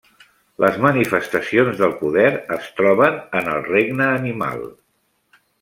Les manifestacions del poder es troben en el regne animal.